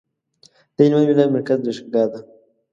د هلمند ولایت مرکز لښکرګاه ده